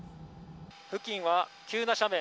付近は急な斜面。